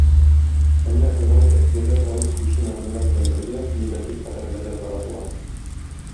Әмма уңай тәэсирләр алып килүче мәгълүмат белән бергә, негатив хәбәрләр дә таратыла.